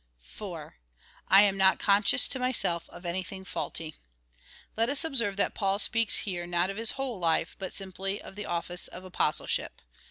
^ 4. / atn not conscious to myself of anything faulty. Let us observe that Paul speaks here not of his whole life, but simply of the office of apostleship.